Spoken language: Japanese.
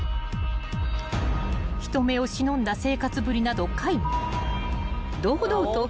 ［人目を忍んだ生活ぶりなど皆無］